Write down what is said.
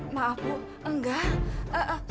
maaf bu enggak